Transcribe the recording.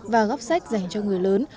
và góc sách dành cho người lớn